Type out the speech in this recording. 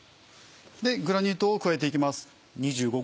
グラニュー糖を加えて行きます。